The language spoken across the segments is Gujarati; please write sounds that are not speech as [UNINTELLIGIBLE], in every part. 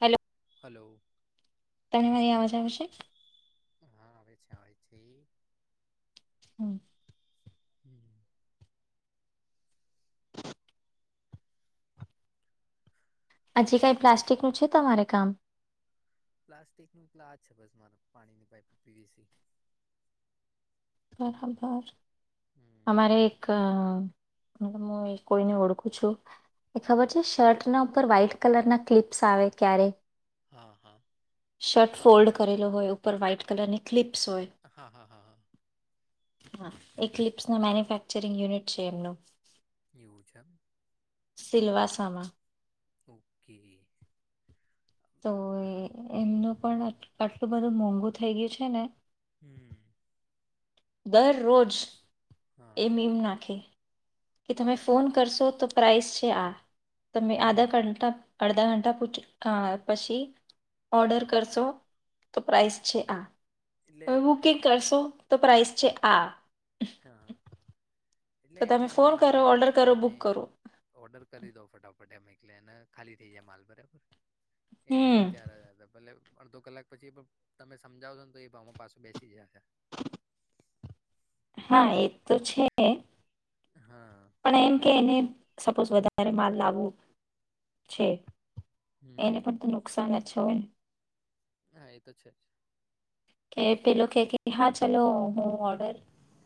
હેલો હલલો તને મારી અવાજ આવે છે? [UNINTELLIGIBLE] હમ્મ. [INAUDIBLE] હજી કાંઈ પ્લાસ્ટિકનું છે તમારે કામ? પ્લાસ્ટિક નું એટલા જ છે બસ મારે પાણીની પાપ પીવીસી. બરાબર. હમ અમારે એક અ હું એ કોઈને ઓળખું છું એ ખબર છે શર્ટના ઉપર વ્હાઈટ કલર ના ક્લિપ્સ આવે ક્યારે હા હા શટ ફોલ્ડ કરેલો હોય ઉપર વ્હાઈટ કલરની ક્લિપ હા હા હા હા. હા એક ક્લિપ્સના મેન્યુફેક્ચરિંગ યુનિટ છે એમનું. [UNINTELLIGIBLE] સિલ્વાસા માં. ઓકે. તો એ એમનું પણ હમ આટલું બધું મોંઘું થઈ ગયું છે ને હમ દરરોજ એ હા મીમ નાખે કે તમે ફોન કરશો તો પ્રાઇસ છે આ તમે હમ આધા ઘંટા અડધા ઘંટા પૂછ પછી ઓર્ડર કરશો તો પ્રાઇસ છે આ એટલે હ બુકિંગ કરશો તો પ્રાઇસ પ છે આ હા એટલે તો તમે એમનું ફોન એમ કરો કે ઓર્ડર પછી કરો તમે બુક કરો ઓર્ડર કરી દો ફટાફટ અમે એટલે એ ખાલી થઈ જાય માલ બરાબર એનું હમ વિચાર જ હતા ભલે અડધો કલાક પછી પણ તમે સમજાવો છો ને તો એ પાછો બેસી જયાશે હા એ તો છે હા પણ એમ કે એને સપોઝ વધારે માલ લાવવો છે એને હમ પણ તો નુકસાન નથી છેને હા એ તો છે જ કે પેલો કે હા ચલો હું ઓર્ડર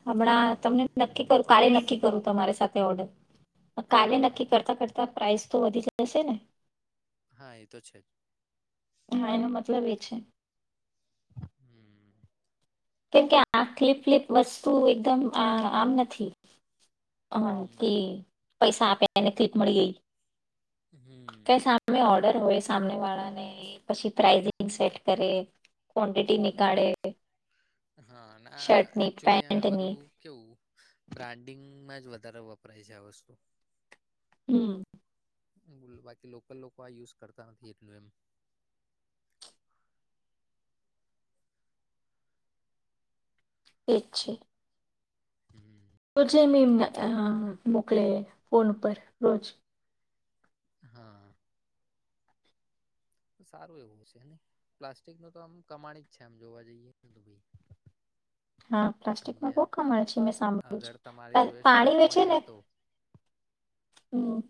હમણાં તમને નક્કી કરું કાલે નક્કી કરું તમારી સાથે તે ઓર્ડર જ કાલે હા નક્કી કરતા કરતા પ્રાઇસ તો વધી જ જશે ને હા એ તો છે જ હા એનો મતલબ એ છે હમ કેમકે આ ક્લિપ ફ્લિપ વસ્તુ એકદમ આ આમ નથી હા તે હમ પૈસા આપે એને ક્લિક મળી ગઈ કઈ હમ સામે ઓ હોય સા વાળાને પછી પ્રાસિંગ સેટ કરે ક્વન્ટિટી નીકાળે હા ને આ શર્ટની એકચયુલી આ પેન્ટની બધું કેવું બ્રાન્ડિંગ વધારે વપરાય છે આ વસ્તુ હમ બાકી લોકલ લોકો આ યુઝ કરતા નથી એટલું એમ એ જ છે હમ રોજે મેંમ મોકલે ફોન ઉપર રોજ હા સારું એવું છેને પ્લાસ્ટિક ન તો આમ કમાણી જ છે આમ જોવા જઈએું ભાઈ હા પ્લાસ્ટિકમાં બો સમજ્યા કમાન છે. મે સાંભળ્યું અગર છે તમારી જોડે સ્ટોક પાણી હોય વેચે ને તો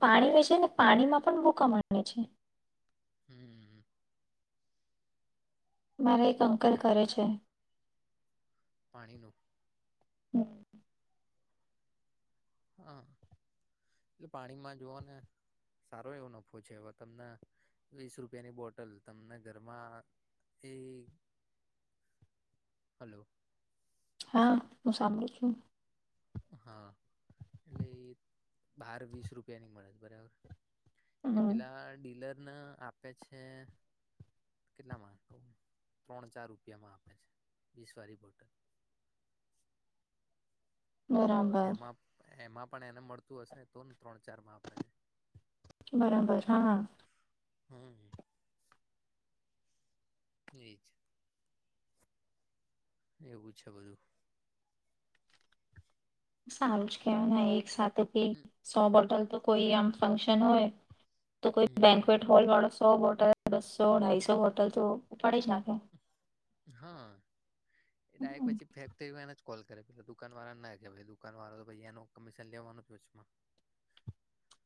પાણી વચે છે ને પાણીમાં પણ બો કમાણી છે. હમ્મ મારા એક અંકલ કરે છે પાણી નું હમ્મ હા એટલે પાણીમાં જોવા ને સારો એવો નફો છે હવે તમને વીસ રૂપિયાની બોટલ તમને ઘરમાં એ હલો? હા હું સાંભળું છું. હા એટલે એ બાર વીસ રૂપિયાની મળે છે બરાબર એ હમ, પેલા ડીલર આપે છે કેટલામાં ત્રણ હાર રૂપિયામાં આપે છે વીસ વારી બોટલ બરાબર. એમાં એમાં પણ એને મળતું હશે તો ત્રણ ચાર માં આપે છે બરાબર હા. હમ્મ. એ એવું છે બધું. સારું જ કેવા એક સાથે તે સો બટન તો કોઈ આમ ફંક્શન હોય તો કોઈ હમ બેન્કવેટ હોલવાળો સો બોટલ બસો અઢાઈસો બોટલ તો ઉપાડી જ નાખે. હા. એ ડાયરેક્ટ હમ. પછી ફેક્ટરી માં કોલ કરે પે દુકાન વાળા ના દુકાન વાળા તોનું કમિશન લેવાનુંમાં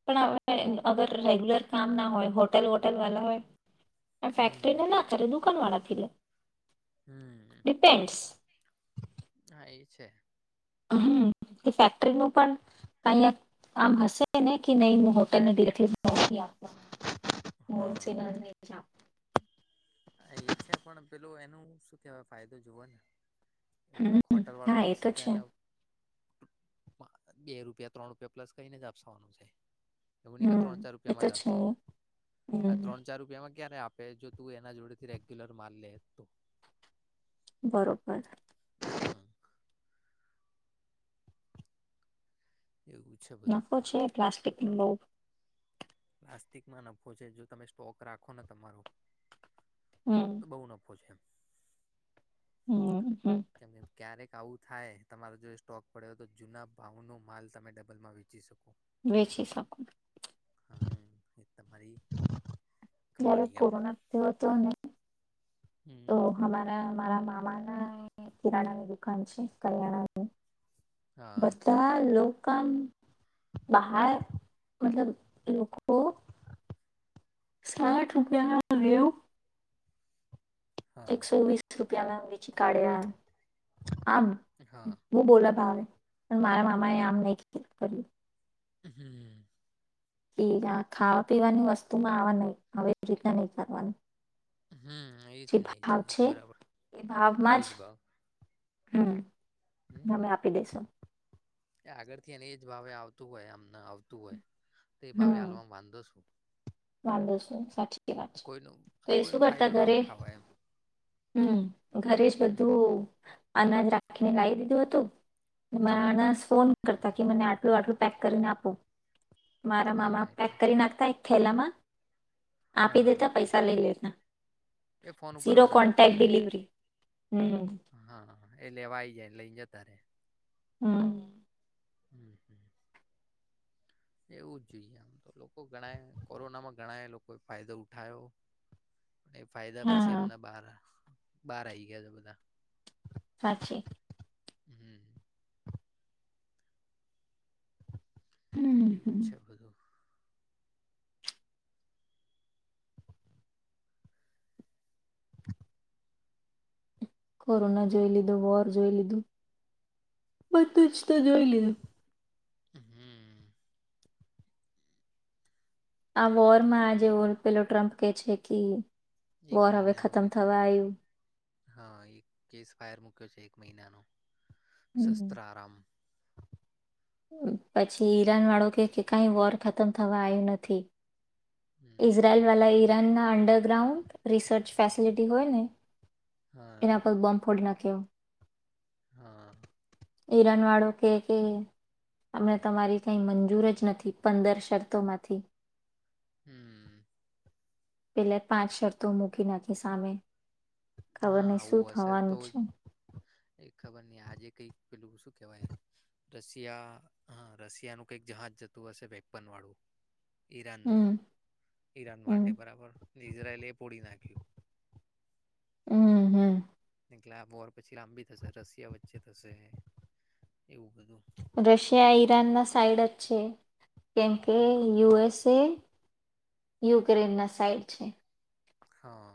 પણ હ અગર રેગ્યુલર કામ ના હોય હોટલ વોટલ વાલા હોય ફેક્ટરી હમ ને ના કરે દુકાન વાળા લે હમ ડેપેન્ડ્સ. હા એ છે. હમ્મ એ ફેક્ટરી નું પણ કાંઈ કામ હશે ને કે નહી હોટેલને [UNINTELLIGIBLE] નોકરી આપ હા [UNINTELLIGIBLE] એ છે પણ પેલોું એનું શું કેહેવાય ફાયદો જુવો ને. એવું કોઈક હમ્મ હોટલ વાળું હા એ તો આવશે છે. એને બે રૂપિયા ત્રણ રૂપિયા પ્લસ કઈને જ આપસવાનું છે એવું નઈ કે ત્રણ હમ ચાર એ રૂપિયા તો માં જ છે આપશેને આ હમ ત્રણ ચાર રૂપિયામાં ક્યારે આપે જોતું એ જોડે થી રેગ્યુલર માલ લે તો બરોબર હા એવું છે બધું નફો છે પ્લાસ્ટિક [UNINTELLIGIBLE] પ્લાસ્ટિકમાં નફો છે જો તમે સ્ટોક રાખો ને તમારો હમ તો બહુ નફો છે એમ હમ હમ [UNINTELLIGIBLE] ક્યારેક આવું થાય તમારો જો એ સ્ટોક પડ્યો હોય તો જૂના ભાવ નો માલ તમે ડબલમાં વેચી શકો. વેચી શકું. હા એ તમારી અત્યારે કમાણી એમ કોરોના થ્યો તો ને તો હમ હમારા મારા મામા હા એ કિરાણાની દુકાન છે કરિયાણાની હા બચાવો. [UNINTELLIGIBLE] બહાર મતલબ લોકો સાઠ રૂપિયા લાવે એવું હા એકસો વીસ રૂપિયા મા વેચી કાઢ્યા [INAUDIBLE] આમ હા હું બોલા ભાવે પણ મારા મામા એ આમ નહીં કીધું કર્યું. હમ એ ના ખાવા પીવાની વસ્તુમાં આવા નય હવે એ રીતના નહી કરવાનું હમ એજ જે ને એ જ ભાવ છે બરાબર એ એ ભાવમાં જ ભાવ હમ હમ મને આપી દેશો. એ આગળથી એને એ જ ભાવે આવતું હોય આમને આવતું હોય. તે ભાવે હમ આલવામાં વાંધો શુ? વાંધો શું? સાચી વાત છે કોઈનો તો એ શું કોઈનો કરતા ફાયદો ના ઘરે ઉઠાવાય એમ હમ ઘરે જ હમ બધું અનાજ રાખીને લાવી દીધું હતું. એમાં હમ અનાસ ફોન કરતા કે મને આટલું આટલું પેક કરીને આપો. મારા હા મામા પેક એટલે કરી નાખતા એક થેલામાં આપી હા દેતા પૈસા લઇ લેતા. એ ફોન ઉપર ઝીરો ઓર્ડર જ કોન્ટેક્ટ થઈ ડિલિવરી હમ જાય હા એ લેવા આવી જાય, લઈ જાય તારે હમ્મ. [INAUDIBLE] એવું જ જોઈએ આમ તો લોકો ગણા એ કોરોનામાં ઘણા એ લોકોએ ફાયદો ઉઠાયો. ને ફાયદા પછી હા એમના બાર બાર આવી ગયા છે બધા. સાક્ષી. હમ્મ. એવું હમ છે બધું. [INAUDIBLE] કોરોના જોઈ લીધું વોર જોઈ લીધું બધું જ તો જોઈ લીધું. હમ આ વોર માં આ જેવો પેલો ટ્રમ્પ કે છે કે. એક વોર હવે મહિનાનો ખતમ કઈક થવા આયુ. હા એક કેસ ફાયર મુૂક્યો છે એક મહિનાનો. હમ શસ્ત્રારામ પ પછી ઈરાન વાળું કે કાંઈ વોર ખતમ થવા આવ્યું નથી. હમ ઇઝરાઇલ વાલા એ રન ના અન્ડરગ્રાઉન્ડ રિસર્ચ ફેસિલિટી હોય ને એના હા પર બમ્બ ફોડી નાખે. [UNINTELLIGIBLE] હા. ઈરાન વાળો કે કે અમને તમારી કઈ મંજૂર જ નથી પંદર શરતોમાંથી. હમ્મ. પેલે પાંચ શરતો મૂકી નાખી સામે. ખબર હા નહીં શું આવું હશે થવાનું તો જ છે. એ ખબર નઈ આજે કઈક પેલું શું કેવાય રશિયા હ રશિયાનું કઈક જહાજ જતું હશે વેપન વાળું. ઈરાન ના હમ ઈરાન હમ માટે બરાબર ને ઇઝરાઇલ એ પોડી નાખ્યું. હમ્મ હામ. એટલે આ વોર પછી લંબી થશે રશિયા વચ્ચે થશે એવું બધું. રશિયા ઈરાન ના સાઈડ જ છે. કેમ કે યુ એસ તે યુક્રેન ના સાઈડ છે. હા.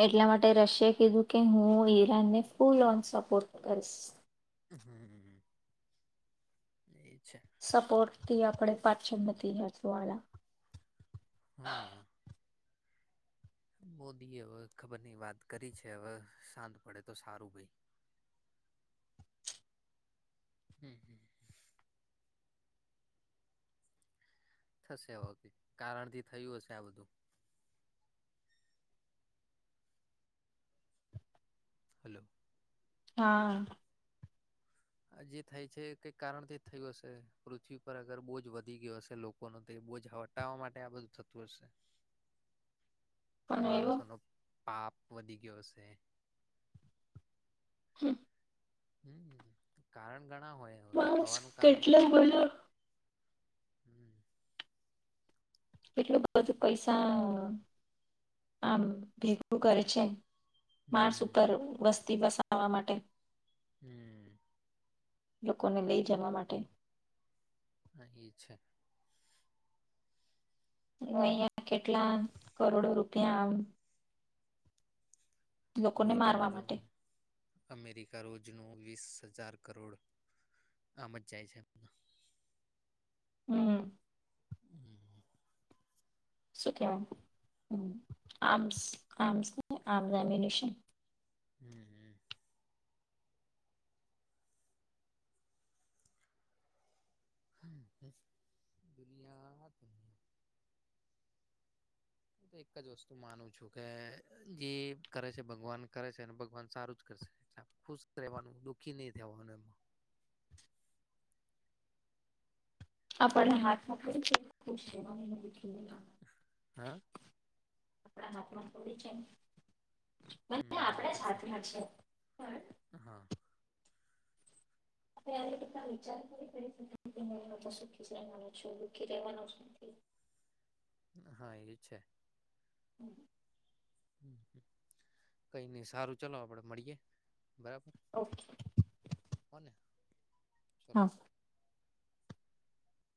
એટલા માટે રશિયાએ કીધું કે હું ઈરાનને ફૂલ ઓન સપોર્ટ કરીશ. હમ્મ એ છે સપોર્ટ. તે આપણે પાંચમ નથી હસવાળા. હમ્મ હમ્મ. મોદીએ હવે ખબર ની વાત કરી છે હવે શાંત પડે તો સારું ભઈ. હમ્મ હમ્મ હમ્મ. થશે હોતી કારણ થી થયું હશે આ બધું. હલો. હા. જે થાય છે કઈક કારણથી થયું હશે, પૃથ્વી પર અગર બોજ વધી ગ્યો હશે લોકો નો તો બોજ હટાવવા માટે આ બધું થતું હશે. પણ એવો માણસોનો પાપ વધી ગ્યો હશે. હમ્મ. હમ્મ, કારણ ઘણા હોય હવે તો માણસ થવાનું કારણ કેટલો બધો હમ્મ. એટલું બધું પૈસા, આમ ભેગું કરે છે. માર્શ હમ ઉપર વસ્તી બસા આવા માટે. હમ્મ્મ. લોકોને લઈ જવા માટે. હા એ છે. હું અહિયા કેટલા કરોડો રૂપિયા આમ લોકોને મારવા રોજનું જો, માટે અમેરિકા રોજનું વીસ હજાર કરોડ આમ જ જાય છે એમાં. હમ્મ. શું કેવાય આમ્સ આમ્સ હોય ને આર્મ લેમિનેશન હમ્મ હમ્મ. [UNINTELLIGIBLE] દુનિયા [UNINTELLIGIBLE] દુનિયા હું તો એક જ વસ્તુ માનું છું કે, જે કરે છે ભગવાન કરે છે અને ભગવાન સારું જ કરશે ખુશ રહેવાનું દુઃખી નહી રેહવાનું એમ. આપર્ણે હાથ માં કેવું છે કે ખુશ રેવાનું [UNINTELLIGIBLE] હ? આપડા હાથમાં થોડી છે. ભલે હમ એ આપડે તો સાથમાં છે, પણ હા. [UNINTELLIGIBLE] વિચાર [UNINTELLIGIBLE] સુખી જ રહેવાનો છું, દખી રેહવાનો જ નથી. હા એ છે. હમ્મ. કઈ નઈ સારું ચલો આપડે મળીએે બરાબર. ઓકે કોને? હા.